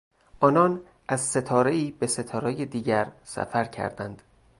آنان از ستارهای به ستارهی دیگر سفر کردند.